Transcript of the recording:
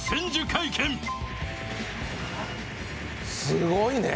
すごいね。